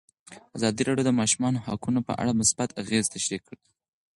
ازادي راډیو د د ماشومانو حقونه په اړه مثبت اغېزې تشریح کړي.